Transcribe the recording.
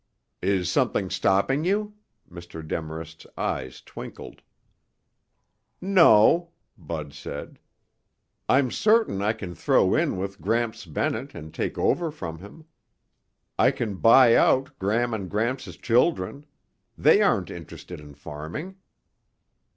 "Is something stopping you?" Mr. Demarest's eyes twinkled. "No," Bud said. "I'm certain I can throw in with Gramps Bennett and take over from him. I can buy out Gram and Gramps' children. They aren't interested in farming."